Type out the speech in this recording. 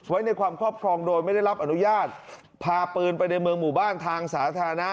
ไว้ในความครอบครองโดยไม่ได้รับอนุญาตพาปืนไปในเมืองหมู่บ้านทางสาธารณะ